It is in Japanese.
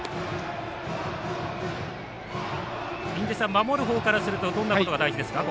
守るほうからするとどんなことが大事ですか？